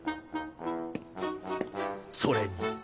それに。